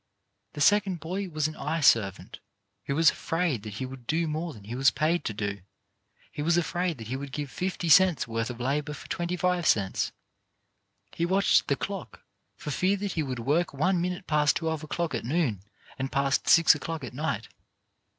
The second boy was an eye servant who was afraid that he would do more than he was paid to do — he was afraid that he would give fifty cents' worth of labour for twenty five cents. He watched the clock, for fear that he would work one minute past twelve o'clock at noon and past six o'clock at night.